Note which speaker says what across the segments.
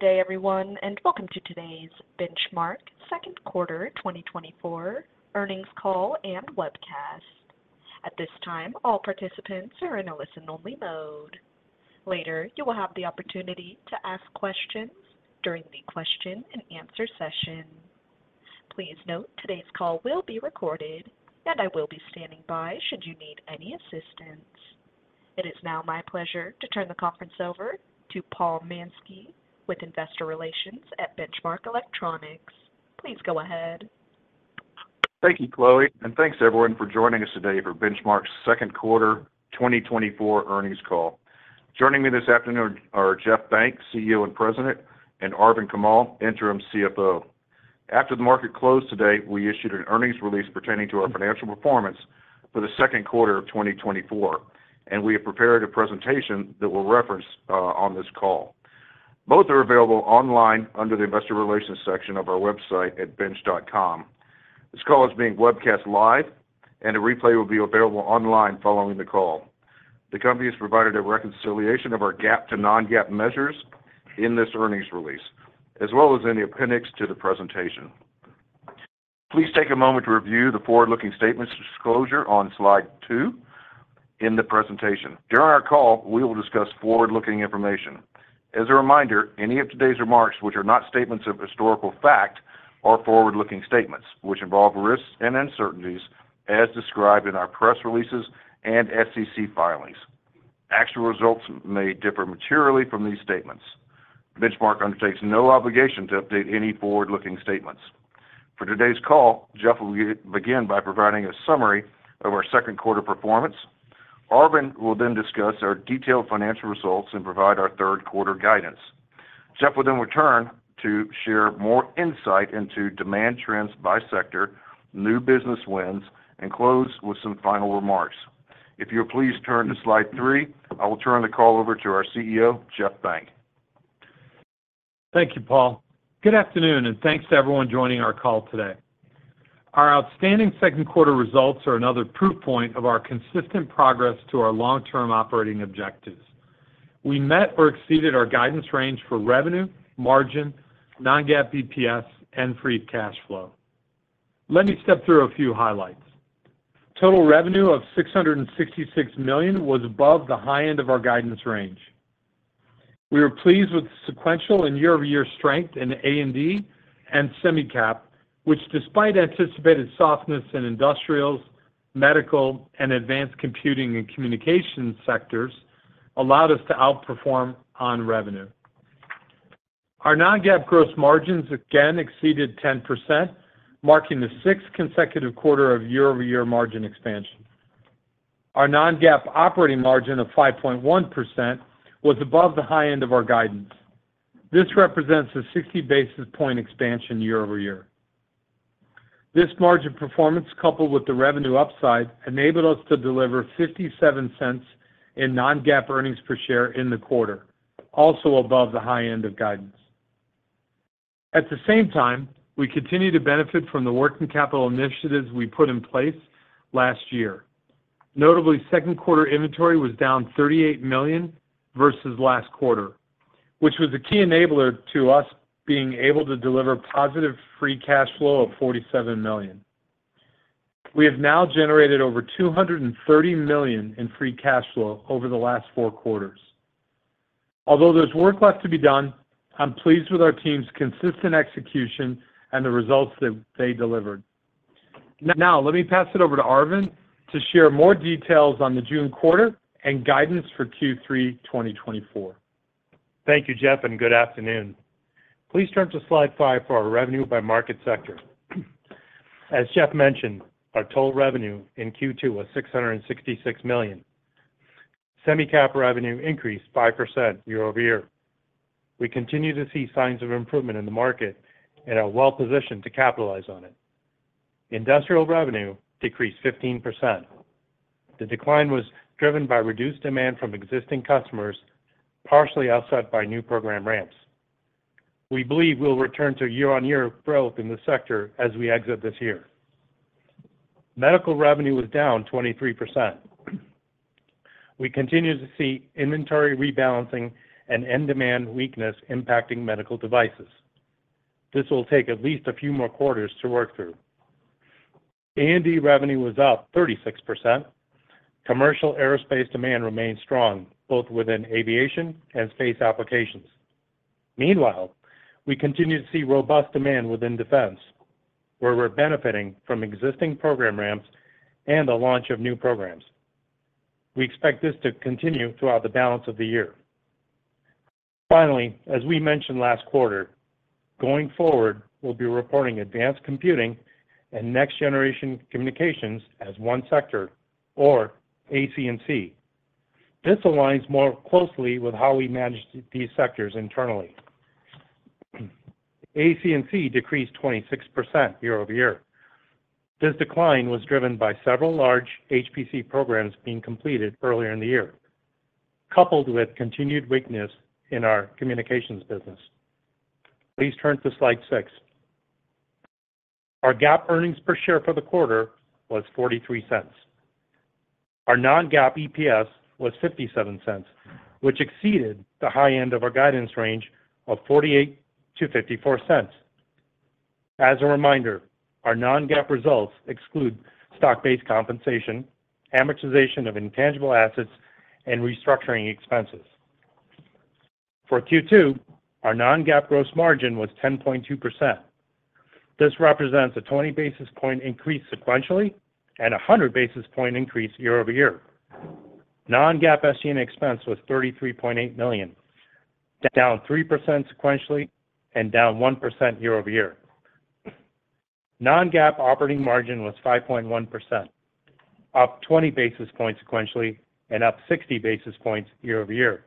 Speaker 1: Good day, everyone, and welcome to today's Benchmark Q2 2024 earnings call and webcast. At this time, all participants are in a listen-only mode. Later, you will have the opportunity to ask questions during the question and answer session. Please note, today's call will be recorded, and I will be standing by should you need any assistance. It is now my pleasure to turn the conference over to Paul Manske with Investor Relations at Benchmark Electronics. Please go ahead.
Speaker 2: Thank you, Chloe, and thanks everyone for joining us today for Benchmark's Q2 2024 earnings call. Joining me this afternoon are Jeff Benck, CEO and President, and Arvind Kamal, Interim CFO. After the market closed today, we issued an earnings release pertaining to our financial performance for the Q2 of 2024, and we have prepared a presentation that we'll reference on this call. Both are available online under the Investor Relations section of our website at bench.com. This call is being webcast live, and a replay will be available online following the call. The company has provided a reconciliation of our GAAP to non-GAAP measures in this earnings release, as well as in the appendix to the presentation. Please take a moment to review the forward-looking statements disclosure on slide 2 in the presentation. During our call, we will discuss forward-looking information. As a reminder, any of today's remarks, which are not statements of historical fact, are forward-looking statements, which involve risks and uncertainties as described in our press releases and SEC filings. Actual results may differ materially from these statements. Benchmark undertakes no obligation to update any forward-looking statements. For today's call, Jeff will begin by providing a summary of our Q2 performance. Arvind will then discuss our detailed financial results and provide our Q3 guidance. Jeff will then return to share more insight into demand trends by sector, new business wins, and close with some final remarks. If you'll please turn to slide three, I will turn the call over to our CEO, Jeff Benck.
Speaker 3: Thank you, Paul. Good afternoon, and thanks to everyone joining our call today. Our outstanding Q2 results are another proof point of our consistent progress to our long-term operating objectives. We met or exceeded our guidance range for revenue, margin, non-GAAP EPS, and free cash flow. Let me step through a few highlights. Total revenue of $666 million was above the high end of our guidance range. We are pleased with the sequential and year-over-year strength in A&D and Semicap, which, despite anticipated softness in Industrials, Medical, and Advanced Computing and Communications sectors, allowed us to outperform on revenue. Our non-GAAP gross margins again exceeded 10%, marking the sixth consecutive quarter of year-over-year margin expansion. Our non-GAAP operating margin of 5.1% was above the high end of our guidance. This represents a 60 basis points expansion year-over-year. This margin performance, coupled with the revenue upside, enabled us to deliver $0.57 in non-GAAP earnings per share in the quarter, also above the high end of guidance. At the same time, we continue to benefit from the working capital initiatives we put in place last year. Notably, Q2 inventory was down $38 million versus last quarter, which was a key enabler to us being able to deliver positive free cash flow of $47 million. We have now generated over $230 million in free cash flow over the last four quarters. Although there's work left to be done, I'm pleased with our team's consistent execution and the results that they delivered. Now, let me pass it over to Arvind to share more details on the June quarter and guidance for Q3 2024.
Speaker 4: Thank you, Jeff, and good afternoon. Please turn to slide 5 for our revenue by market sector. As Jeff mentioned, our total revenue in Q2 was $666 million. Semi-Cap revenue increased 5% year-over-year. We continue to see signs of improvement in the market and are well positioned to capitalize on it. Industrial revenue decreased 15%. The decline was driven by reduced demand from existing customers, partially offset by new program ramps. We believe we'll return to year-on-year growth in this sector as we exit this year. Medical revenue was down 23%. We continue to see inventory rebalancing and end demand weakness impacting Medical devices. This will take at least a few more quarters to work through. A&D revenue was up 36%. Commercial aerospace demand remains strong, both within aviation and space applications. Meanwhile, we continue to see robust demand within defense, where we're benefiting from existing program ramps and the launch of new programs. We expect this to continue throughout the balance of the year. Finally, as we mentioned last quarter, going forward, we'll be reporting Advanced Computing and Next Generation Communications as one sector or AC&C. This aligns more closely with how we manage these sectors internally. AC&C decreased 26% year-over-year. This decline was driven by several large HPC programs being completed earlier in the year, coupled with continued weakness in our communications business. Please turn to slide 6. Our GAAP earnings per share for the quarter was $0.43. Our non-GAAP EPS was $0.57, which exceeded the high end of our guidance range of $0.48-$0.54. As a reminder, our non-GAAP results exclude stock-based compensation, amortization of intangible assets, and restructuring expenses. For Q2, our non-GAAP gross margin was 10.2%. This represents a 20 basis points increase sequentially, and a 100 basis points increase year-over-year. Non-GAAP SG&A expense was $33.8 million, down 3% sequentially and down 1% year-over-year. Non-GAAP operating margin was 5.1%, up 20 basis points sequentially and up 60 basis points year-over-year,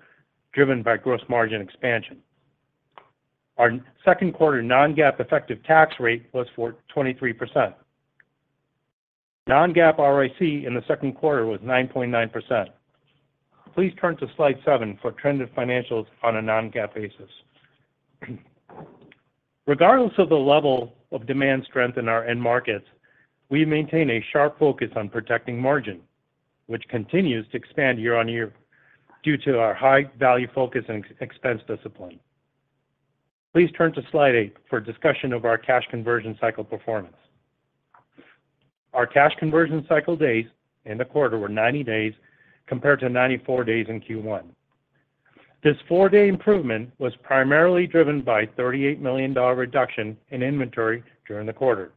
Speaker 4: driven by gross margin expansion. Our Q2 non-GAAP effective tax rate was 4.23%. Non-GAAP ROIC in the Q2 was 9.9%. Please turn to Slide 7 for trended financials on a non-GAAP basis. Regardless of the level of demand strength in our end markets, we maintain a sharp focus on protecting margin, which continues to expand year-on-year due to our high value focus and expense discipline. Please turn to Slide 8 for a discussion of our cash conversion cycle performance. Our cash conversion cycle days in the quarter were 90 days, compared to 94 days in Q1. This 4-day improvement was primarily driven by a $38 million reduction in inventory during the quarter.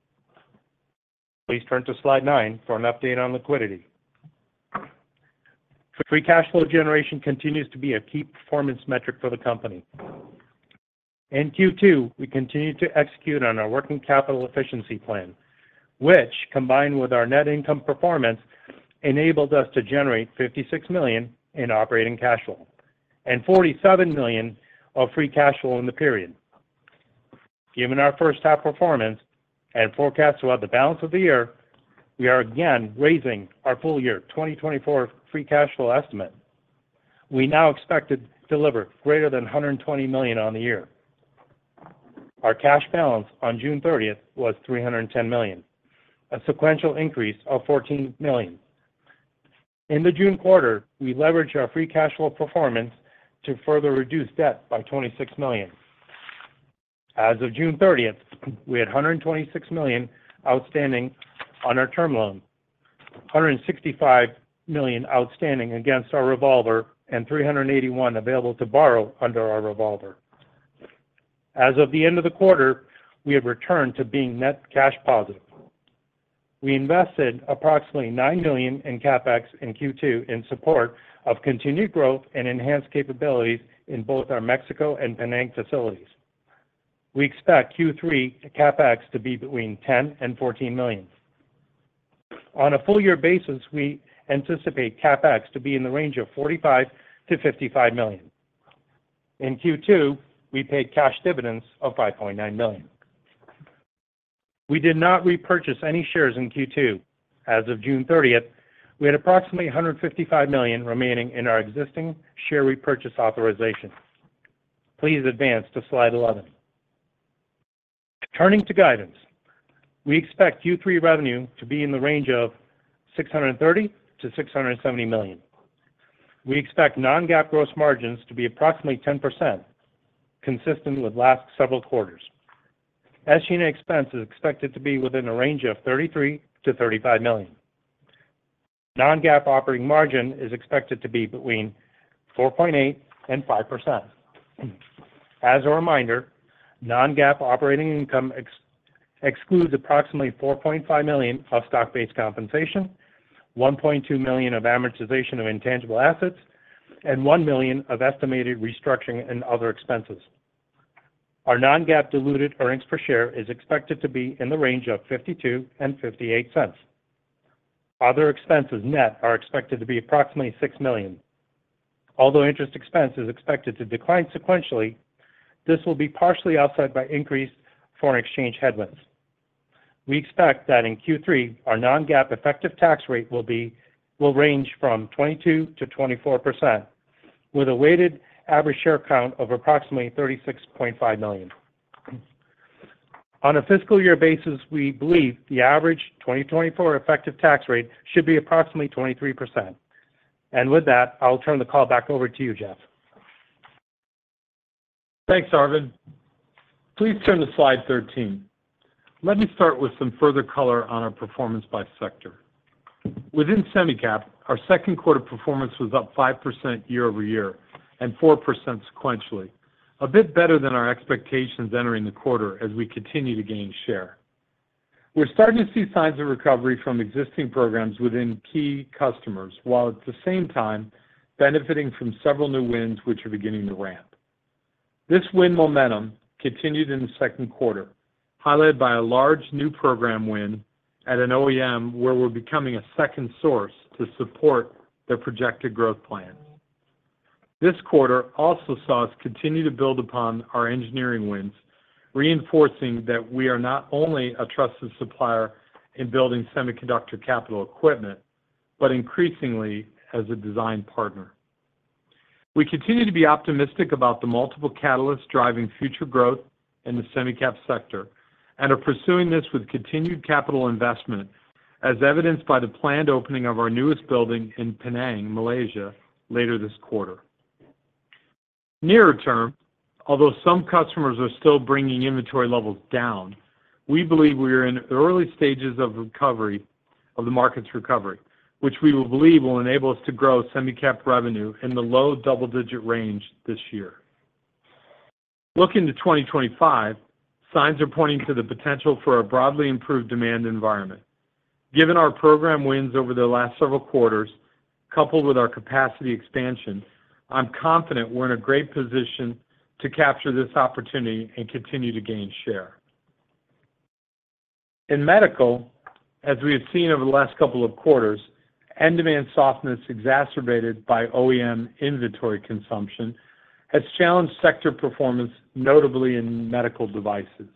Speaker 4: Please turn to Slide 9 for an update on liquidity. Free cash flow generation continues to be a key performance metric for the company. In Q2, we continued to execute on our working capital efficiency plan, which, combined with our net income performance, enabled us to generate $56 million in operating cash flow and $47 million of free cash flow in the period. Given our H1 performance and forecast throughout the balance of the year, we are again raising our full-year 2024 free cash flow estimate. We now expect to deliver greater than $120 million on the year. Our cash balance on June thirtieth was $310 million, a sequential increase of $14 million. In the June quarter, we leveraged our free cash flow performance to further reduce debt by $26 million. As of June thirtieth, we had $126 million outstanding on our term loan, $165 million outstanding against our revolver, and $381 available to borrow under our revolver. As of the end of the quarter, we have returned to being net cash positive. We invested approximately $9 million in CapEx in Q2 in support of continued growth and enhanced capabilities in both our Mexico and Penang facilities. We expect Q3 CapEx to be between $10 million and $14 million. On a full year basis, we anticipate CapEx to be in the range of $45 million-$55 million. In Q2, we paid cash dividends of $5.9 million. We did not repurchase any shares in Q2. As of June 30, we had approximately $155 million remaining in our existing share repurchase authorization. Please advance to Slide 11. Turning to guidance, we expect Q3 revenue to be in the range of $630 million-$670 million. We expect non-GAAP gross margins to be approximately 10%, consistent with last several quarters. SG&A expense is expected to be within a range of $33 million-$35 million. Non-GAAP operating margin is expected to be between 4.8% and 5%. As a reminder, non-GAAP operating income excludes approximately $4.5 million of stock-based compensation, $1.2 million of amortization of intangible assets, and $1 million of estimated restructuring and other expenses. Our non-GAAP diluted earnings per share is expected to be in the range of $0.52-$0.58. Other expenses net are expected to be approximately $6 million. Although interest expense is expected to decline sequentially, this will be partially offset by increased foreign exchange headwinds. We expect that in Q3, our non-GAAP effective tax rate will range from 22%-24%, with a weighted average share count of approximately 36.5 million. On a fiscal year basis, we believe the average 2024 effective tax rate should be approximately 23%. And with that, I'll turn the call back over to you, Jeff.
Speaker 3: Thanks, Arvind. Please turn to Slide 13. Let me start with some further color on our performance by sector. Within SemiCap, our Q2 performance was up 5% year-over-year and 4% sequentially. A bit better than our expectations entering the quarter as we continue to gain share. We're starting to see signs of recovery from existing programs within key customers, while at the same time benefiting from several new wins which are beginning to ramp. This win momentum continued in the Q2, highlighted by a large new program win at an OEM, where we're becoming a second source to support their projected growth plans. This quarter also saw us continue to build upon our engineering wins, reinforcing that we are not only a trusted supplier in building semiconductor capital equipment, but increasingly as a design partner.... We continue to be optimistic about the multiple catalysts driving future growth in the semi-cap sector, and are pursuing this with continued capital investment, as evidenced by the planned opening of our newest building in Penang, Malaysia, later this quarter. Nearer term, although some customers are still bringing inventory levels down, we believe we are in the early stages of recovery, of the market's recovery, which we will believe will enable us to grow semi-cap revenue in the low double-digit range this year. Looking to 2025, signs are pointing to the potential for a broadly improved demand environment. Given our program wins over the last several quarters, coupled with our capacity expansion, I'm confident we're in a great position to capture this opportunity and continue to gain share. In medical, as we have seen over the last couple of quarters, end demand softness, exacerbated by OEM inventory consumption, has challenged sector performance, notably in medical devices.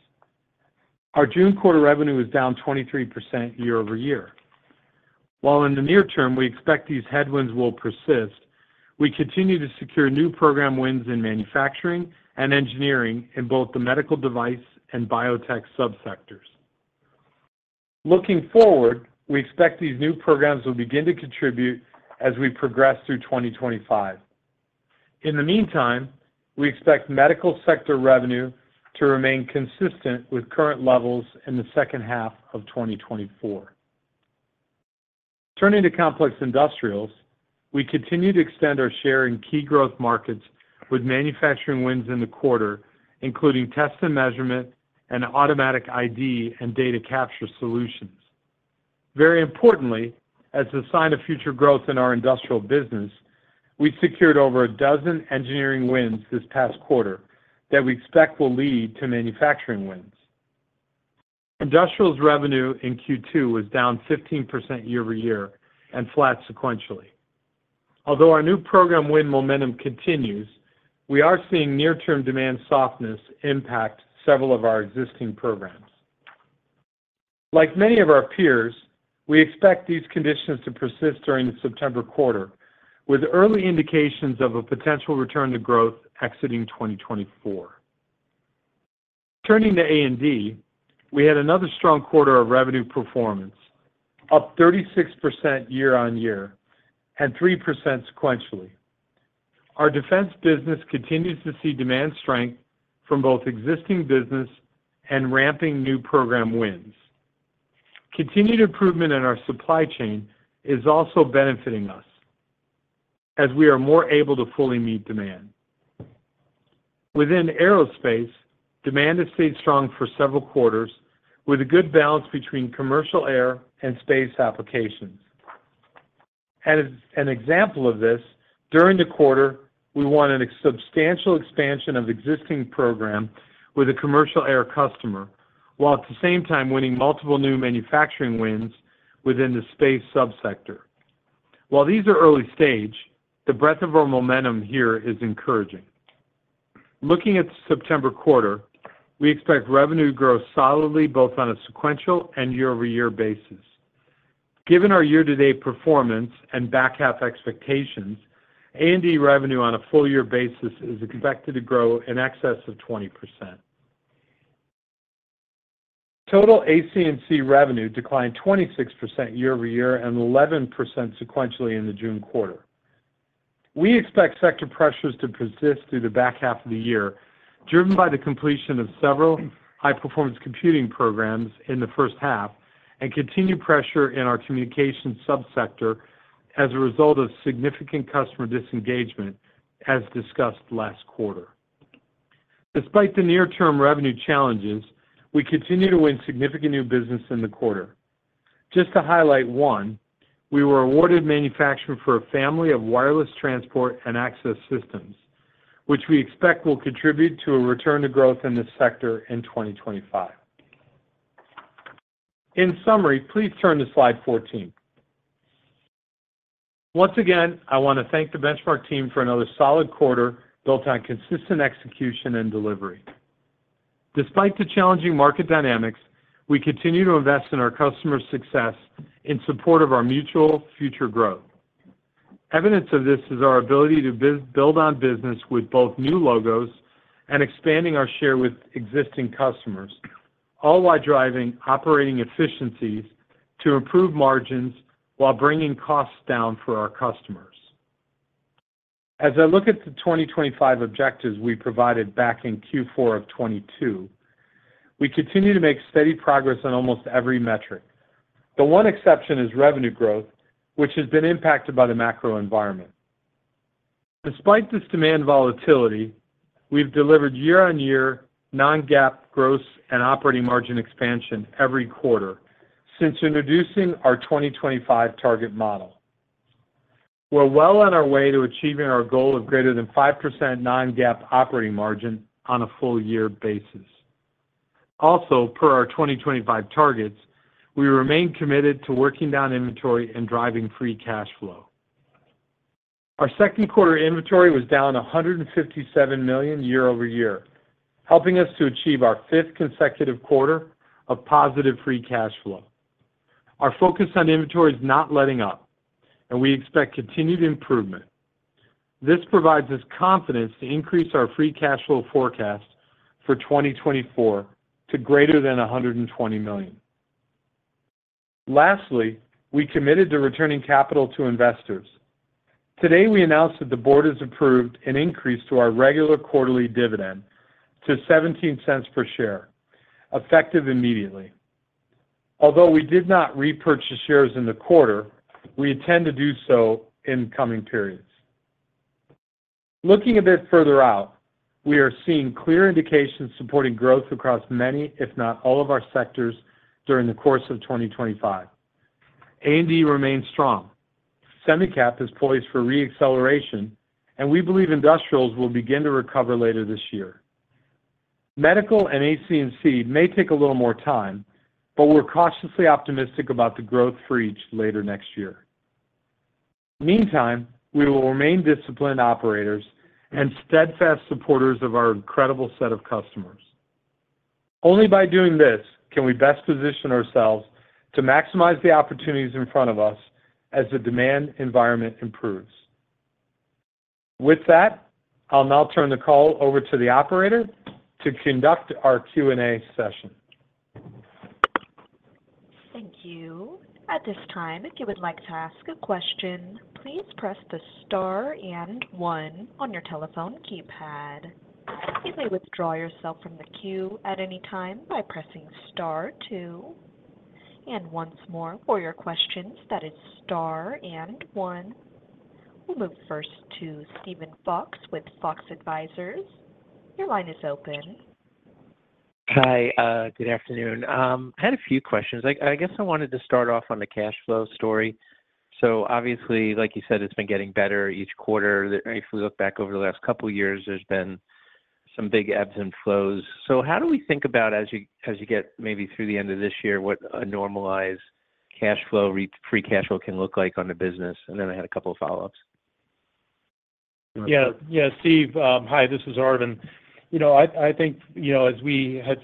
Speaker 3: Our June quarter revenue is down 23% year-over-year. While in the near term, we expect these headwinds will persist, we continue to secure new program wins in manufacturing and engineering in both the medical device and biotech subsectors. Looking forward, we expect these new programs will begin to contribute as we progress through 2025. In the meantime, we expect medical sector revenue to remain consistent with current levels in the H2 of 2024. Turning to complex industrials, we continue to extend our share in key growth markets with manufacturing wins in the quarter, including test and measurement and automatic ID and data capture solutions. Very importantly, as a sign of future growth in our industrial business, we secured over a dozen engineering wins this past quarter that we expect will lead to manufacturing wins. Industrials revenue in Q2 was down 15% year-over-year and flat sequentially. Although our new program win momentum continues, we are seeing near-term demand softness impact several of our existing programs. Like many of our peers, we expect these conditions to persist during the September quarter, with early indications of a potential return to growth exiting 2024. Turning to A&D, we had another strong quarter of revenue performance, up 36% year-over-year and 3% sequentially. Our defense business continues to see demand strength from both existing business and ramping new program wins. Continued improvement in our supply chain is also benefiting us as we are more able to fully meet demand. Within aerospace, demand has stayed strong for several quarters, with a good balance between Commercial Air and Space applications. As an example of this, during the quarter, we won a substantial expansion of existing program with a commercial air customer, while at the same time winning multiple new manufacturing wins within the space subsector. While these are early stage, the breadth of our momentum here is encouraging. Looking at the September quarter, we expect revenue to grow solidly, both on a sequential and year-over-year basis. Given our year-to-date performance and back-half expectations, A&D revenue on a full year basis is expected to grow in excess of 20%. Total AC&C revenue declined 26% year-over-year and 11% sequentially in the June quarter. We expect sector pressures to persist through the back half of the year, driven by the completion of several high-performance computing programs in the H1, and continued pressure in our communication subsector as a result of significant customer disengagement, as discussed last quarter. Despite the near-term revenue challenges, we continue to win significant new business in the quarter. Just to highlight one, we were awarded manufacturing for a family of wireless transport and access systems, which we expect will contribute to a return to growth in this sector in 2025. In summary, please turn to slide 14. Once again, I want to thank the Benchmark team for another solid quarter built on consistent execution and delivery. Despite the challenging market dynamics, we continue to invest in our customers' success in support of our mutual future growth. Evidence of this is our ability to build on business with both new logos and expanding our share with existing customers, all while driving operating efficiencies to improve margins while bringing costs down for our customers. As I look at the 2025 objectives we provided back in Q4 of 2022, we continue to make steady progress on almost every metric. The one exception is revenue growth, which has been impacted by the macro environment. Despite this demand volatility, we've delivered year-on-year non-GAAP gross and operating margin expansion every quarter since introducing our 2025 target model. We're well on our way to achieving our goal of greater than 5% non-GAAP operating margin on a full year basis. Also, per our 2025 targets, we remain committed to working down inventory and driving free cash flow. Our Q2 inventory was down $157 million year-over-year, helping us to achieve our fifth consecutive quarter of positive free cash flow. Our focus on inventory is not letting up, and we expect continued improvement. This provides us confidence to increase our free cash flow forecast for 2024 to greater than $120 million. Lastly, we committed to returning capital to investors. Today, we announced that the board has approved an increase to our regular quarterly dividend to $0.17 per share, effective immediately. Although we did not repurchase shares in the quarter, we intend to do so in coming periods. Looking a bit further out, we are seeing clear indications supporting growth across many, if not all, of our sectors during the course of 2025. A&D remains strong. Semi-Cap is poised for re-acceleration, and we believe industrials will begin to recover later this year. Medical and AC&C may take a little more time, but we're cautiously optimistic about the growth for each later next year. Meantime, we will remain disciplined operators and steadfast supporters of our incredible set of customers. Only by doing this can we best position ourselves to maximize the opportunities in front of us as the demand environment improves. With that, I'll now turn the call over to the operator to conduct our Q&A session.
Speaker 1: Thank you. At this time, if you would like to ask a question, please press the star and one on your telephone keypad. You may withdraw yourself from the queue at any time by pressing star two. And once more, for your questions, that is star and one. We'll move first to Steven Fox with Fox Advisors. Your line is open.
Speaker 5: Hi, good afternoon. I had a few questions. I guess I wanted to start off on the cash flow story. So obviously, like you said, it's been getting better each quarter. If we look back over the last couple of years, there's been some big ebbs and flows. So how do we think about as you, as you get maybe through the end of this year, what a normalized cash flow, free cash flow can look like on the business? And then I had a couple of follow-ups.
Speaker 4: Yeah, yeah, Steve, hi, this is Arvind. You know, I think, you know, as we had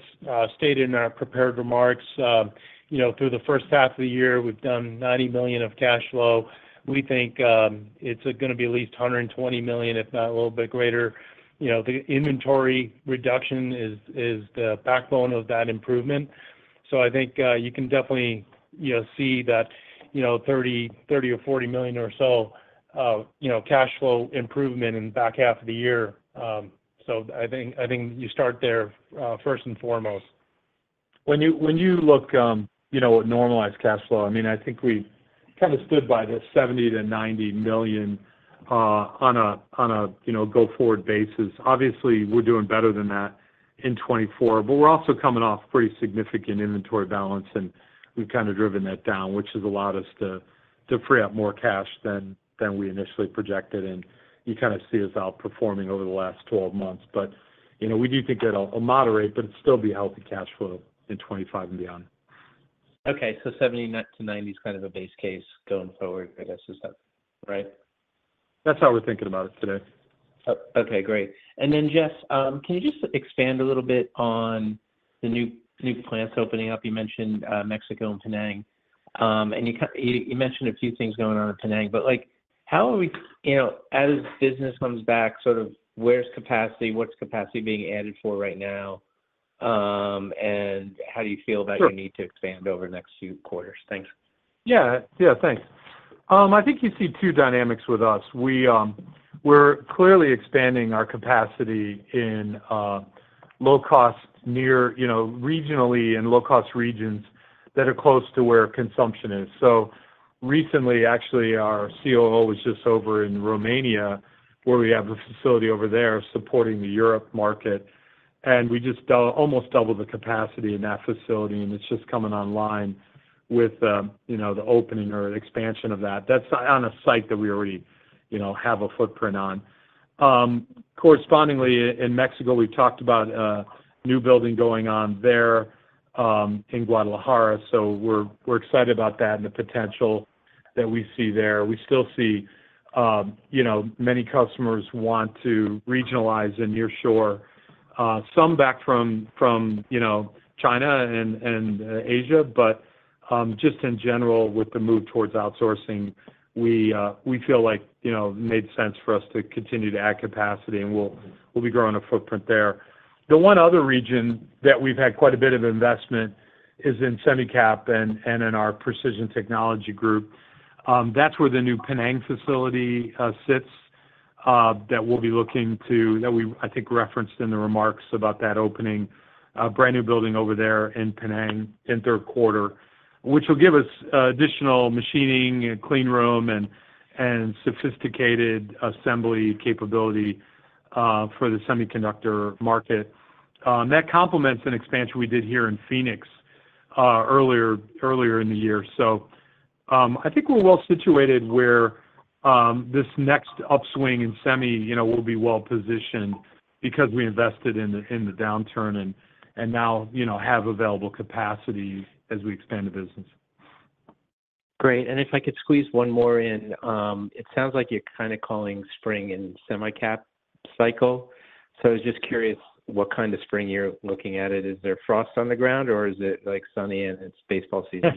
Speaker 4: stated in our prepared remarks, you know, through the H1 of the year, we've done $90 million of cash flow. We think, it's gonna be at least $120 million, if not a little bit greater. You know, the inventory reduction is the backbone of that improvement. So I think, you can definitely, you know, see that, you know, $30-$40 million or so, you know, cash flow improvement in the back half of the year. So I think you start there, first and foremost. When you, when you look, you know, at normalized cash flow, I mean, I think we kind of stood by the $70 million-$90 million on a, on a, you know, go-forward basis. Obviously, we're doing better than that in 2024, but we're also coming off pretty significant inventory balance, and we've kind of driven that down, which has allowed us to free up more cash than we initially projected, and you kind of see us outperforming over the last 12 months. But, you know, we do think at a, a moderate, but still be healthy cash flow in 2025 and beyond.
Speaker 5: Okay, so 70-90 is kind of a base case going forward, I guess, is that right?
Speaker 4: That's how we're thinking about it today.
Speaker 5: Oh, okay, great. And then, Jeff, can you just expand a little bit on the new, new plants opening up? You mentioned Mexico and Penang. And you mentioned a few things going on in Penang, but, like, how are we... You know, as business comes back, sort of, where's capacity? What's capacity being added for right now? And how do you feel-
Speaker 3: Sure.
Speaker 5: about your need to expand over the next few quarters? Thanks.
Speaker 3: Yeah. Yeah, thanks. I think you see two dynamics with us. We, we're clearly expanding our capacity in low-cost near, you know, regionally and low-cost regions that are close to where consumption is. So recently, actually, our COO was just over in Romania, where we have a facility over there supporting the Europe market, and we just almost doubled the capacity in that facility, and it's just coming online with, you know, the opening or expansion of that. That's on a site that we already, you know, have a footprint on. Correspondingly, in Mexico, we talked about a new building going on there in Guadalajara, so we're excited about that and the potential that we see there. We still see, you know, many customers want to regionalize and nearshore some back from, you know, China and Asia, but just in general, with the move towards outsourcing, we feel like, you know, it made sense for us to continue to add capacity, and we'll be growing a footprint there. The one other region that we've had quite a bit of investment is in Semicap and in our precision technology group. That's where the new Penang facility sits, that we, I think, referenced in the remarks about that opening, a brand-new building over there in Penang in Q3, which will give us additional machining and clean room and sophisticated assembly capability for the semiconductor market. That complements an expansion we did here in Phoenix earlier in the year. So, I think we're well situated where this next upswing in semi, you know, will be well-positioned because we invested in the downturn and now, you know, have available capacity as we expand the business....
Speaker 5: Great, and if I could squeeze one more in, it sounds like you're kind of calling spring in semi-cap cycle. So I was just curious what kind of spring you're looking at it. Is there frost on the ground or is it, like, sunny and it's baseball season?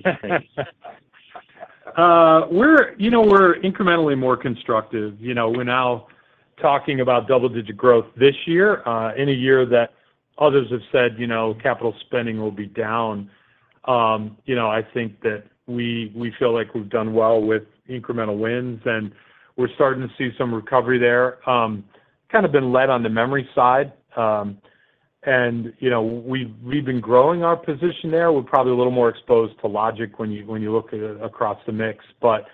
Speaker 3: We're, you know, we're incrementally more constructive. You know, we're now talking about double-digit growth this year, in a year that others have said, you know, capital spending will be down. You know, I think that we feel like we've done well with incremental wins, and we're starting to see some recovery there. Kind of been led on the memory side, and, you know, we've been growing our position there. We're probably a little more exposed to logic when you look at it across the mix. But,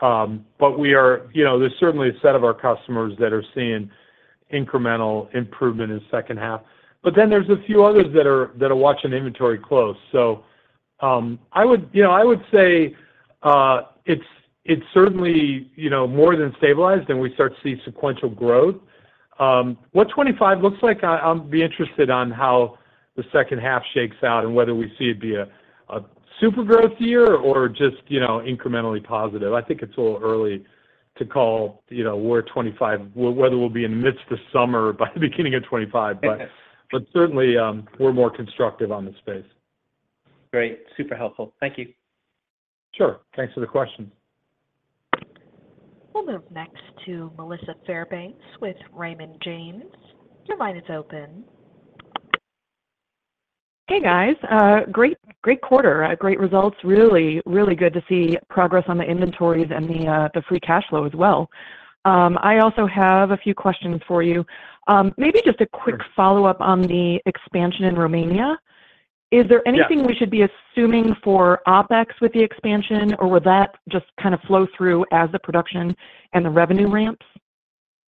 Speaker 3: but we are, you know, there's certainly a set of our customers that are seeing incremental improvement in H2. But then there's a few others that are watching inventory closely. So, I would, you know, I would say, it's, it's certainly, you know, more than stabilized, and we start to see sequential growth. What 2025 looks like, I'll be interested on how the H2 shakes out and whether we see it be a super growth year or just, you know, incrementally positive. I think it's a little early to call, you know, we're 2025, whether we'll be in the midst of summer by the beginning of 2025. But certainly, we're more constructive on the space.
Speaker 5: Great. Super helpful. Thank you.
Speaker 3: Sure. Thanks for the question.
Speaker 1: We'll move next to Melissa Fairbanks with Raymond James. Your line is open.
Speaker 6: Hey, guys, great, great quarter, great results. Really, really good to see progress on the inventories and the free cash flow as well. I also have a few questions for you. Maybe just a-
Speaker 3: Sure...
Speaker 6: quick follow-up on the expansion in Romania.
Speaker 3: Yeah.
Speaker 6: Is there anything we should be assuming for OpEx with the expansion, or would that just kind of flow through as the production and the revenue ramps?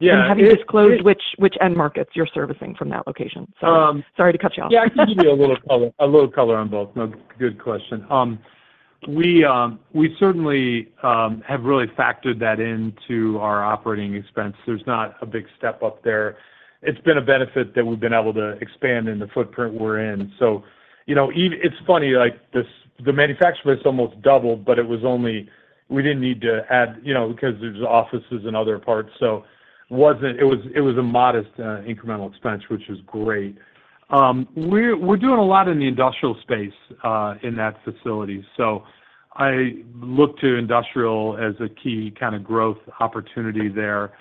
Speaker 3: Yeah, it-
Speaker 6: Have you disclosed which end markets you're servicing from that location? Sorry.
Speaker 3: Um-
Speaker 6: Sorry to cut you off.
Speaker 3: Yeah, I can give you a little color, a little color on both. No, good question. We certainly have really factored that into our operating expense. There's not a big step up there. It's been a benefit that we've been able to expand in the footprint we're in. So, you know, even, it's funny, like, this, the manufacturer has almost doubled, but it was only... We didn't need to add, you know, because there's offices in other parts, so it wasn't. It was a modest, incremental expense, which was great. We're doing a lot in the industrial space in that facility, so I look to industrial as a key kind of growth opportunity there.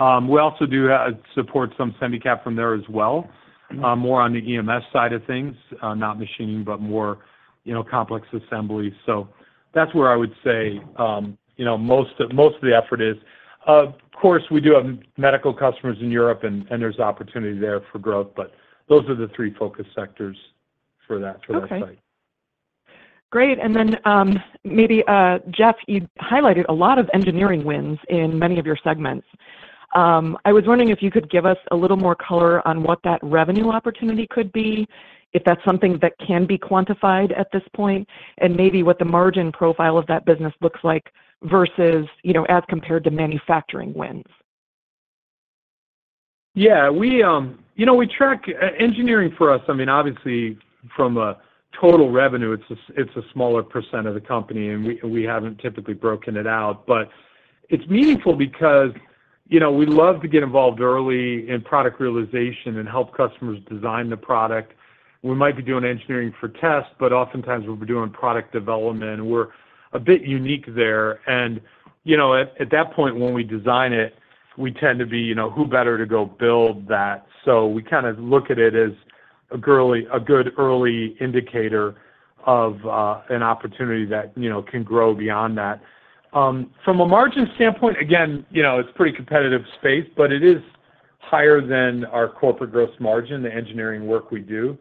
Speaker 3: We also do support some Semi-Cap from there as well, more on the EMS side of things, not machining, but more, you know, complex assembly. So that's where I would say, you know, most of, most of the effort is. Of course, we do have medical customers in Europe, and there's opportunity there for growth, but those are the three focus sectors for that-
Speaker 6: Okay...
Speaker 3: for that site.
Speaker 6: Great. And then, maybe, Jeff, you highlighted a lot of engineering wins in many of your segments. I was wondering if you could give us a little more color on what that revenue opportunity could be, if that's something that can be quantified at this point, and maybe what the margin profile of that business looks like versus, you know, as compared to manufacturing wins?
Speaker 3: Yeah, we, you know, we track engineering for us, I mean, obviously from a total revenue, it's a smaller percent of the company, and we haven't typically broken it out. But it's meaningful because, you know, we love to get involved early in product realization and help customers design the product. We might be doing engineering for test, but oftentimes we'll be doing product development, and we're a bit unique there. And, you know, at that point when we design it, we tend to be, you know, who better to go build that? So we kind of look at it as a good early indicator of an opportunity that, you know, can grow beyond that. From a margin standpoint, again, you know, it's pretty competitive space, but it is higher than our corporate gross margin, the engineering work we do,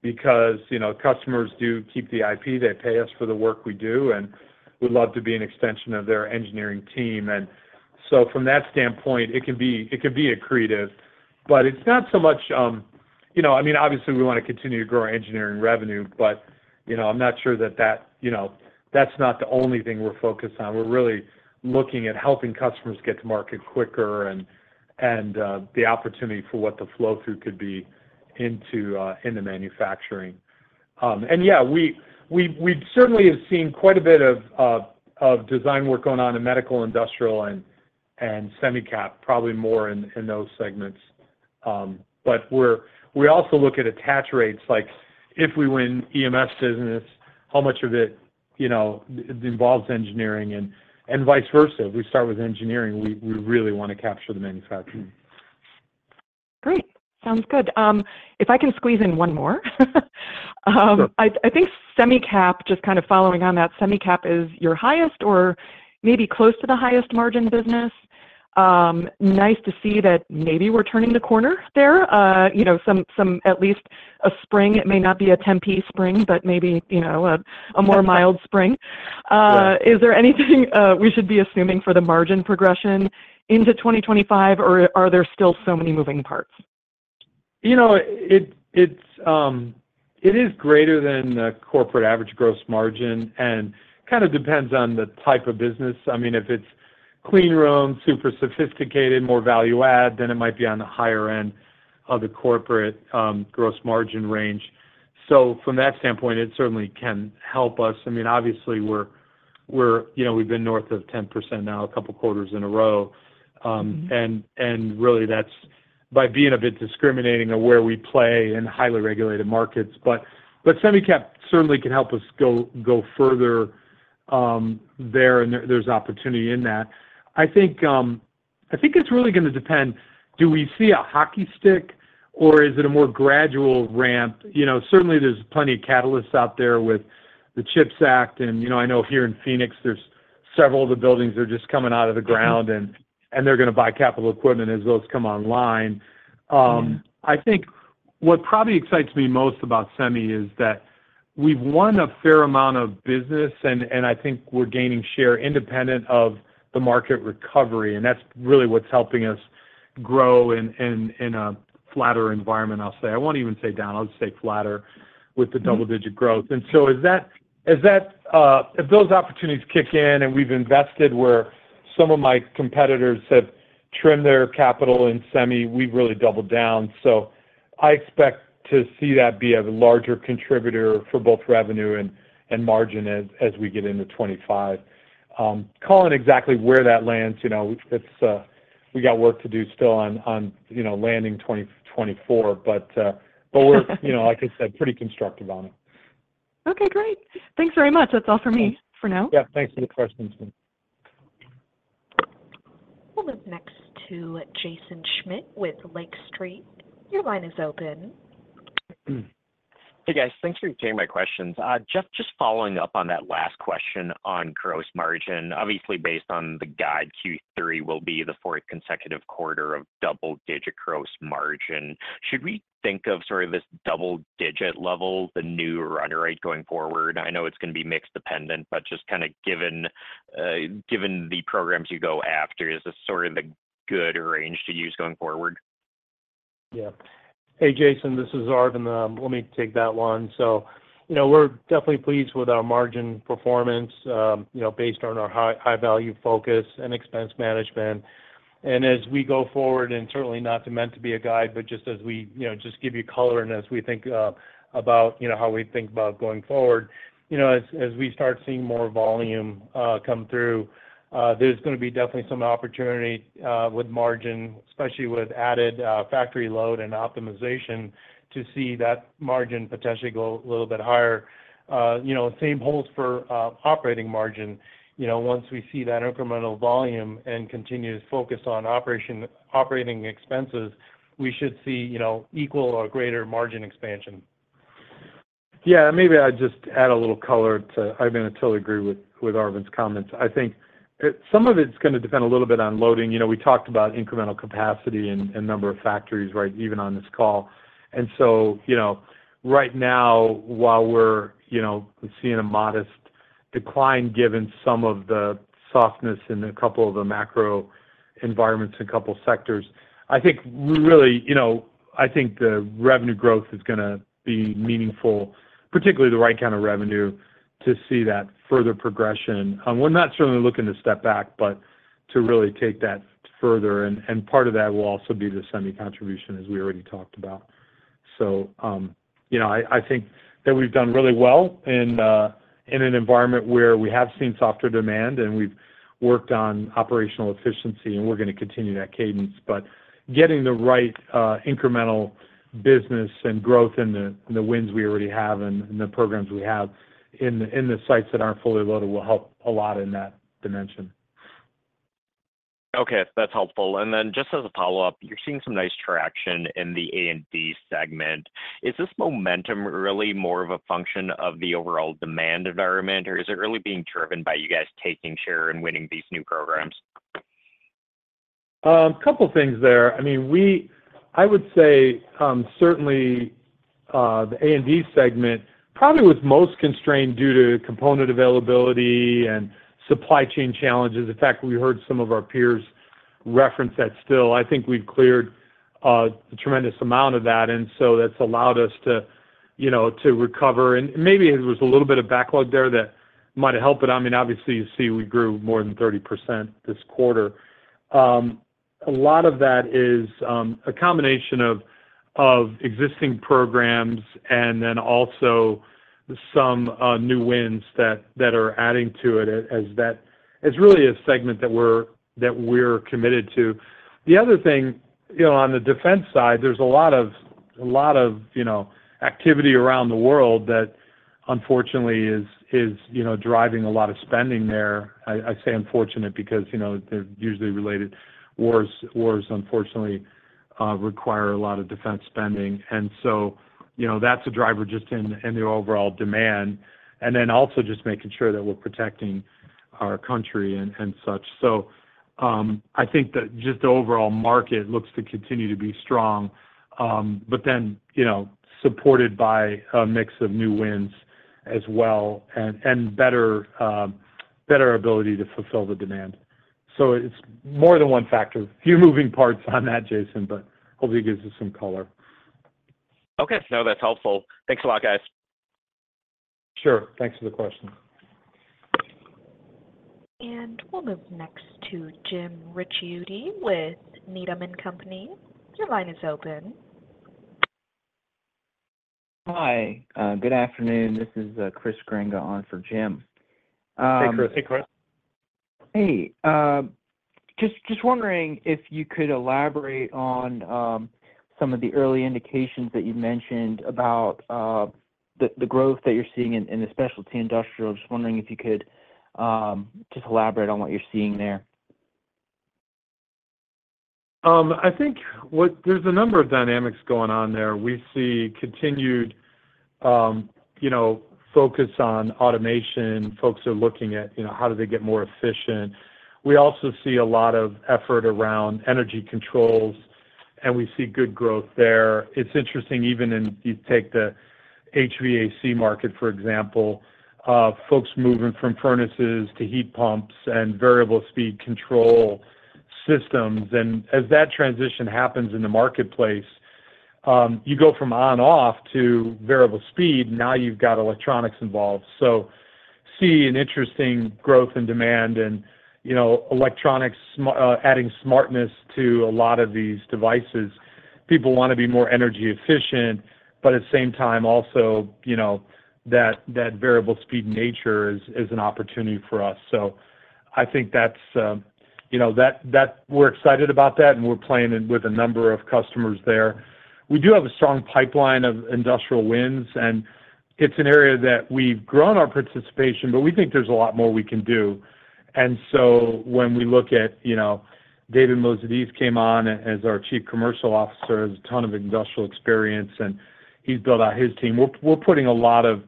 Speaker 3: because, you know, customers do keep the IP. They pay us for the work we do, and we'd love to be an extension of their engineering team. And so from that standpoint, it can be, it can be accretive, but it's not so much, you know, I mean, obviously, we want to continue to grow our engineering revenue, but, you know, I'm not sure that that, you know, that's not the only thing we're focused on. We're really looking at helping customers get to market quicker and, and, the opportunity for what the flow-through could be into, into manufacturing. And yeah, we've certainly have seen quite a bit of design work going on in medical, industrial, and semi-cap, probably more in those segments. But we also look at attach rates, like if we win EMS business, how much of it, you know, involves engineering and vice versa? If we start with engineering, we really want to capture the manufacturing.
Speaker 6: Great. Sounds good. If I can squeeze in one more.
Speaker 3: Sure.
Speaker 6: I think Semi-Cap, just kind of following on that, Semi-Cap is your highest or maybe close to the highest margin business. Nice to see that maybe we're turning the corner there. You know, some at least a spring. It may not be a 10-piece spring, but maybe, you know, a more mild spring.
Speaker 3: Right.
Speaker 6: Is there anything we should be assuming for the margin progression into 2025, or are there still so many moving parts?
Speaker 3: You know, it, it's, it is greater than the corporate average gross margin and kind of depends on the type of business. I mean, if it's clean room, super sophisticated, more value-add, then it might be on the higher end of the corporate, gross margin range. So from that standpoint, it certainly can help us. I mean, obviously, we're you know, we've been north of 10% now, a couple quarters in a row. And really that's by being a bit discriminating of where we play in highly regulated markets. But semi-cap certainly can help us go further, there, and there's opportunity in that. I think, I think it's really gonna depend, do we see a hockey stick, or is it a more gradual ramp? You know, certainly there's plenty of catalysts out there with the CHIPS Act, and, you know, I know here in Phoenix, there's several of the buildings are just coming out of the ground, and they're gonna buy capital equipment as those come online. I think what probably excites me most about semi is that we've won a fair amount of business, and I think we're gaining share independent of the market recovery, and that's really what's helping us grow in a flatter environment, I'll say. I won't even say down, I'll just say flatter with the double-digit growth. And so is that, as that, if those opportunities kick in and we've invested where some of my competitors have trimmed their capital in semi, we've really doubled down. So I expect to see that be a larger contributor for both revenue and, and margin as, as we get into 25. Calling exactly where that lands, you know, it's we got work to do still on, on, you know, landing 2024, but, but we're, you know, like I said, pretty constructive on it.
Speaker 6: Okay, great. Thanks very much. That's all for me for now.
Speaker 3: Yeah. Thanks for the questions.
Speaker 1: We'll move next to Jaeson Schmidt with Lake Street. Your line is open.
Speaker 7: Hey, guys. Thanks for taking my questions. Jeff, just following up on that last question on gross margin. Obviously, based on the guide, Q3 will be the fourth consecutive quarter of double-digit gross margin. Should we think of sort of this double-digit level, the new run rate going forward? I know it's going to be mix dependent, but just kinda given, given the programs you go after, is this sort of the good range to use going forward?
Speaker 4: Yeah. Hey, Jason, this is Arvind, let me take that one. So, you know, we're definitely pleased with our margin performance, you know, based on our high, high-value focus and expense management. And as we go forward, and certainly not meant to be a guide, but just as we, you know, just give you color and as we think about, you know, how we think about going forward, you know, as we start seeing more volume come through, there's gonna be definitely some opportunity with margin, especially with added factory load and optimization, to see that margin potentially go a little bit higher. You know, same holds for operating margin. You know, once we see that incremental volume and continued focus on operating expenses, we should see, you know, equal or greater margin expansion.
Speaker 3: Yeah, maybe I'd just add a little color to... I totally agree with Arvind's comments. I think, it—some of it's gonna depend a little bit on loading. You know, we talked about incremental capacity and number of factories, right, even on this call. And so, you know, right now, while we're, you know, seeing a modest decline, given some of the softness in a couple of the macro environments in a couple of sectors, I think really, you know, I think the revenue growth is gonna be meaningful, particularly the right kind of revenue, to see that further progression. We're not certainly looking to step back, but to really take that further, and part of that will also be the semi contribution, as we already talked about. So, you know, I think that we've done really well in an environment where we have seen softer demand, and we've worked on operational efficiency, and we're gonna continue that cadence. But getting the right incremental business and growth in the wins we already have and the programs we have in the sites that aren't fully loaded will help a lot in that dimension.
Speaker 7: Okay, that's helpful. And then just as a follow-up, you're seeing some nice traction in the A&D segment. Is this momentum really more of a function of the overall demand environment, or is it really being driven by you guys taking share and winning these new programs?
Speaker 3: Couple things there. I mean, we. I would say, certainly, the A&D segment probably was most constrained due to component availability and supply chain challenges. In fact, we heard some of our peers reference that still. I think we've cleared a tremendous amount of that, and so that's allowed us to, you know, to recover. And maybe it was a little bit of backlog there that might have helped, but I mean, obviously, you see we grew more than 30% this quarter. A lot of that is a combination of existing programs and then also some new wins that, that are adding to it as that... It's really a segment that we're, that we're committed to. The other thing, you know, on the defense side, there's a lot of activity around the world that unfortunately is driving a lot of spending there. I say unfortunate because, you know, they're usually related. Wars unfortunately require a lot of defense spending, and so you know, that's a driver just in the overall demand, and then also just making sure that we're protecting our country and such. So, I think that just the overall market looks to continue to be strong, but then, you know, supported by a mix of new wins as well and better ability to fulfill the demand. So it's more than one factor. A few moving parts on that, Jaeson, but hopefully it gives you some color.
Speaker 7: Okay. No, that's helpful. Thanks a lot, guys.
Speaker 3: Sure. Thanks for the question....
Speaker 1: We'll move next to Jim Ricciuti with Needham & Company. Your line is open.
Speaker 8: Hi, good afternoon. This is Chris Grenga on for Jim.
Speaker 3: Hey, Chris.
Speaker 8: Hey, just wondering if you could elaborate on some of the early indications that you've mentioned about the growth that you're seeing in the specialty industrial. Just wondering if you could just elaborate on what you're seeing there.
Speaker 3: I think there's a number of dynamics going on there. We see continued, you know, focus on automation. Folks are looking at, you know, how do they get more efficient? We also see a lot of effort around energy controls, and we see good growth there. It's interesting, even in... You take the HVAC Market, for example, folks moving from furnaces to heat pumps and variable speed control systems, and as that transition happens in the marketplace, you go from on/off to variable speed, now you've got electronics involved. So see an interesting growth and demand and, you know, electronics adding smartness to a lot of these devices. People want to be more energy efficient, but at the same time also, you know, that variable speed nature is an opportunity for us. So I think that's, you know, that, that-- we're excited about that, and we're playing in with a number of customers there. We do have a strong pipeline of industrial wins, and it's an area that we've grown our participation, but we think there's a lot more we can do. And so when we look at, you know, David Moezidis came on as our Chief Commercial Officer, has a ton of industrial experience, and he's built out his team. We're putting a lot of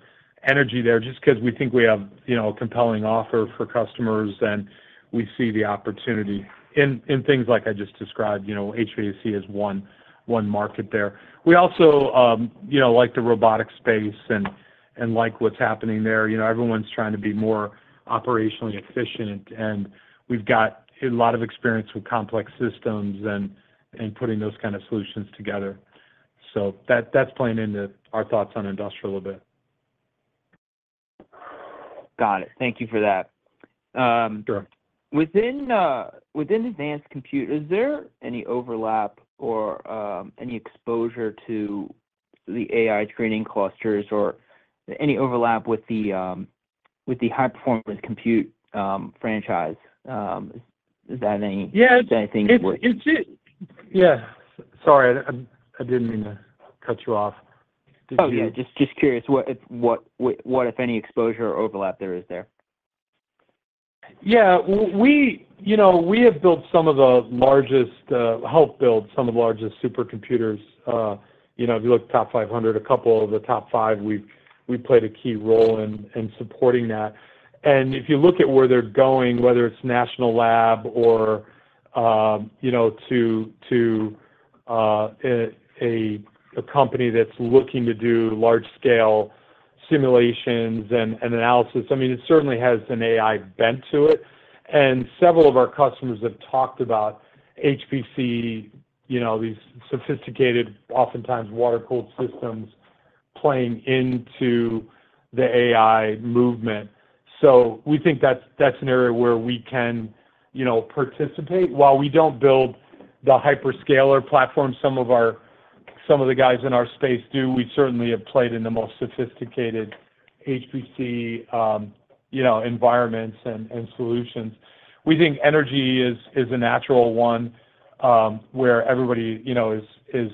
Speaker 3: energy there just 'cause we think we have, you know, a compelling offer for customers, and we see the opportunity in things like I just described. You know, HVAC is one market there. We also, you know, like the robotic space and like what's happening there. You know, everyone's trying to be more operationally efficient, and we've got a lot of experience with complex systems and putting those kind of solutions together. So that's playing into our thoughts on industrial a bit.
Speaker 8: Got it. Thank you for that.
Speaker 3: Sure.
Speaker 8: Within advanced compute, is there any overlap or any exposure to the AI training clusters or any overlap with the high-performance compute franchise? Is that any-
Speaker 3: Yeah-
Speaker 8: Is that anything what-
Speaker 3: Yeah, sorry, I didn't mean to cut you off. Did you-
Speaker 8: Oh, yeah, just curious what, if any, exposure or overlap there is there?
Speaker 3: Yeah, we, you know, we have built some of the largest, helped build some of the largest supercomputers. You know, if you look at the top 500, a couple of the top 5, we played a key role in, in supporting that. And if you look at where they're going, whether it's National Lab or, you know, to a company that's looking to do large scale simulations and analysis, I mean, it certainly has an AI bent to it. And several of our customers have talked about HPC, you know, these sophisticated, oftentimes water-cooled systems playing into the AI movement. So we think that's an area where we can, you know, participate. While we don't build the hyperscaler platform, some of the guys in our space do, we certainly have played in the most sophisticated HPC, you know, environments and solutions. We think energy is a natural one, where everybody, you know, is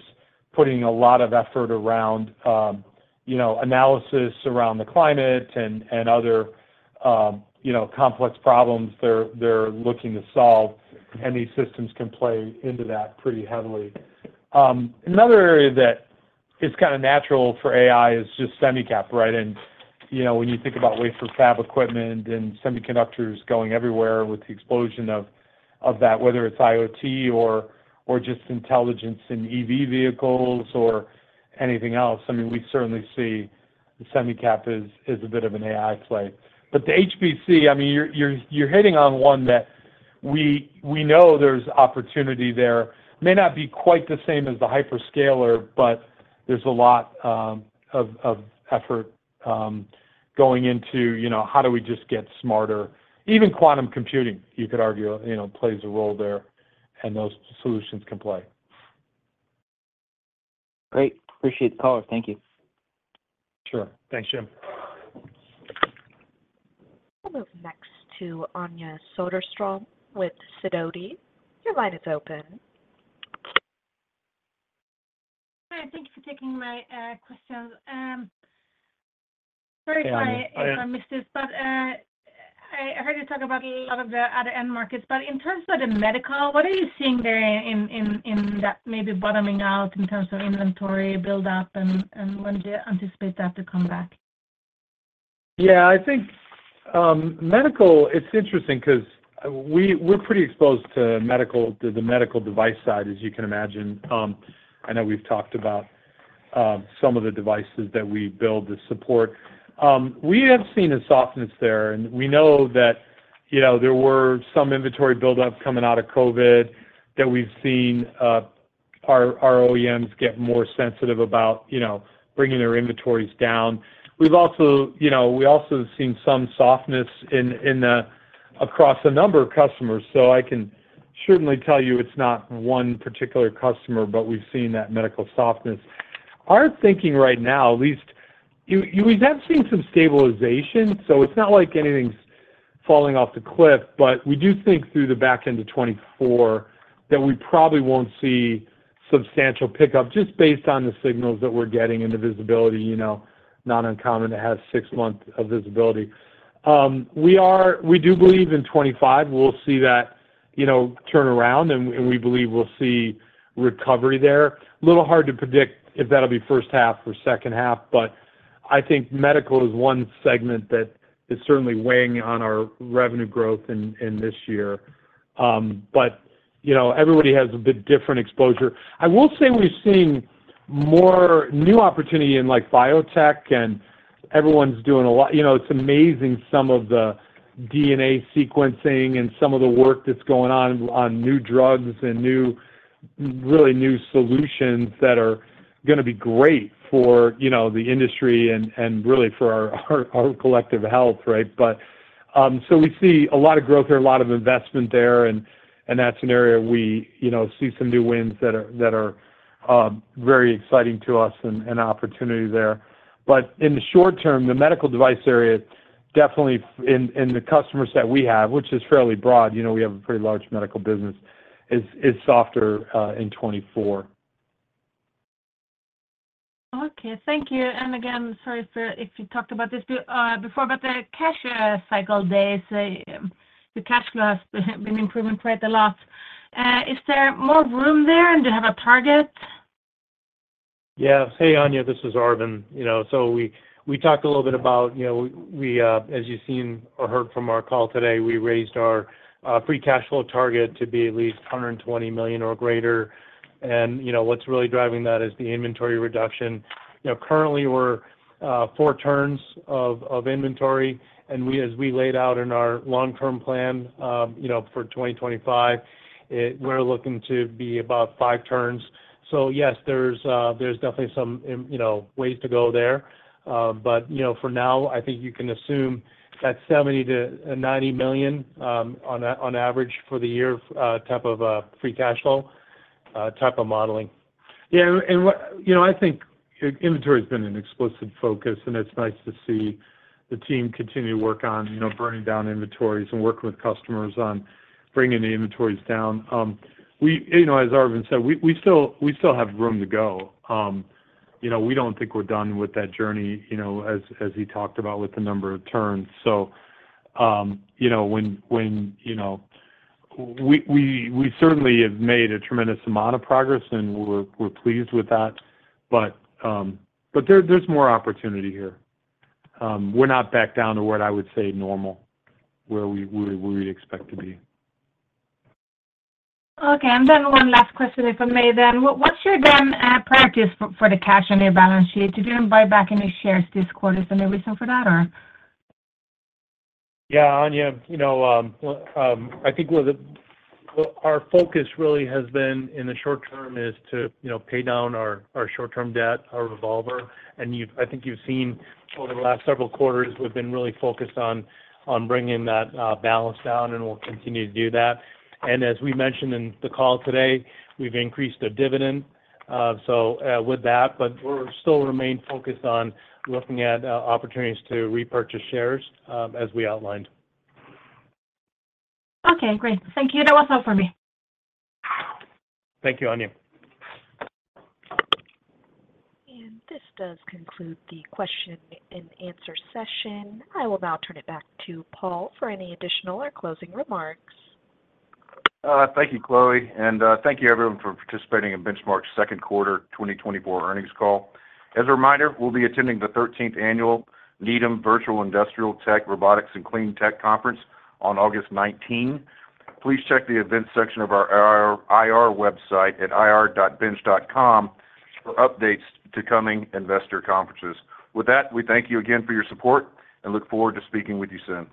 Speaker 3: putting a lot of effort around, you know, analysis around the climate and other, you know, complex problems they're looking to solve, and these systems can play into that pretty heavily. Another area that is kind of natural for AI is just semi cap, right? And, you know, when you think about wafer fab equipment and semiconductors going everywhere with the explosion of that, whether it's IoT or just intelligence in EV vehicles or anything else, I mean, we certainly see the semi cap as a bit of an AI play. But the HPC, I mean, you're hitting on one that we know there's opportunity there. May not be quite the same as the Hyperscaler, but there's a lot of effort going into, you know, how do we just get smarter? Even quantum computing, you could argue, you know, plays a role there, and those solutions can play.
Speaker 8: Great. Appreciate the call. Thank you.
Speaker 3: Sure. Thanks, Jim.
Speaker 1: We'll move next to Anja Soderstrom with Sidoti. Your line is open.
Speaker 9: Hi, thank you for taking my question. Sorry if I missed this, but I heard you talk about a lot of the other end markets, but in terms of the medical, what are you seeing there in that maybe bottoming out in terms of inventory buildup and when do you anticipate that to come back?
Speaker 3: Yeah, I think medical, it's interesting 'cause we're pretty exposed to medical, to the medical device side, as you can imagine. I know we've talked about some of the devices that we build to support. We have seen a softness there, and we know that, you know, there were some inventory buildups coming out of COVID, that we've seen. Our OEMs get more sensitive about, you know, bringing their inventories down. We've also, you know, we also have seen some softness in the across a number of customers. So I can certainly tell you it's not one particular customer, but we've seen that medical softness. Our thinking right now, we have seen some stabilization, so it's not like anything's falling off the cliff, but we do think through the back end of 2024 that we probably won't see substantial pickup, just based on the signals that we're getting and the visibility, you know, not uncommon to have six months of visibility. We do believe in 2025, we'll see that, you know, turn around, and we believe we'll see recovery there. A little hard to predict if that'll be H1 or H2, but I think medical is one segment that is certainly weighing on our revenue growth in this year. But, you know, everybody has a bit different exposure. I will say we've seen more new opportunity in, like, biotech, and everyone's doing a lot... You know, it's amazing some of the DNA sequencing and some of the work that's going on, on new drugs and new, really new solutions that are gonna be great for, you know, the industry and, and really for our, our, our collective health, right? But, so we see a lot of growth there, a lot of investment there, and, and that's an area we, you know, see some new wins that are, that are, very exciting to us and, and opportunity there. But in the short term, the medical device area, definitely in, in the customer set we have, which is fairly broad, you know, we have a pretty large medical business, is, is softer, in 2024.
Speaker 9: Okay. Thank you. And again, sorry sir, if you talked about this before, but the cash cycle days, the cash flow has been improving quite a lot. Is there more room there, and do you have a target?
Speaker 4: Yeah. Hey, Anja, this is Arvind. You know, so we, we talked a little bit about... You know, we, as you've seen or heard from our call today, we raised our free cash flow target to be at least $120 million or greater. And, you know, what's really driving that is the inventory reduction. You know, currently, we're 4 turns of inventory, and we, as we laid out in our long-term plan, you know, for 2025, it—we're looking to be about 5 turns. So yes, there's definitely some in, you know, ways to go there. But, you know, for now, I think you can assume that $70 million-$90 million, on average for the year, type of free cash flow, type of modeling.
Speaker 3: Yeah, and what... You know, I think inventory has been an explicit focus, and it's nice to see the team continue to work on, you know, burning down inventories and working with customers on bringing the inventories down. We, you know, as Arvind said, we still have room to go. You know, we don't think we're done with that journey, you know, as he talked about with the number of turns. So, you know, we certainly have made a tremendous amount of progress, and we're pleased with that, but there, there's more opportunity here. We're not back down to what I would say normal, where we'd expect to be.
Speaker 9: Okay. And then one last question, if I may. What's your practice for the cash on your balance sheet? You didn't buy back any shares this quarter. Is there a reason for that or?
Speaker 4: Yeah, Anja, you know, well, I think, well, our focus really has been in the short term is to, you know, pay down our, our short-term debt, our revolver. And you've—I think you've seen over the last several quarters, we've been really focused on bringing that balance down, and we'll continue to do that. And as we mentioned in the call today, we've increased the dividend, so with that, but we'll still remain focused on looking at opportunities to repurchase shares, as we outlined.
Speaker 9: Okay, great. Thank you. That was all for me.
Speaker 3: Thank you, Anja.
Speaker 1: This does conclude the question and answer session. I will now turn it back to Paul for any additional or closing remarks.
Speaker 2: Thank you, Chloe, and thank you everyone for participating in Benchmark's Q2 2024 earnings call. As a reminder, we'll be attending the 13th Annual Needham Virtual Industrial, Tech, Robotics, and Clean Tech Conference on August 19. Please check the events section of our IR website at ir.bench.com for updates to coming investor conferences. With that, we thank you again for your support and look forward to speaking with you soon.